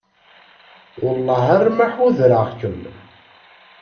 Wellah arma ḥudreɣ-kem.